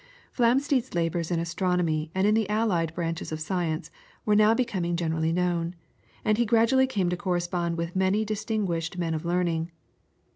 [PLATE: FLAMSTEED.] Flamsteed's labours in astronomy and in the allied branches of science were now becoming generally known, and he gradually came to correspond with many distinguished men of learning.